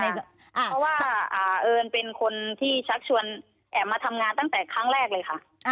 เพราะว่าเอิญเป็นคนที่ชักชวนแอบมาทำงานตั้งแต่ครั้งแรกเลยค่ะ